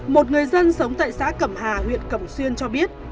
một người dân sống tại xã cẩm hà huyện cẩm xuyên cho biết